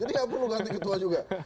jadi nggak perlu ganti ketua juga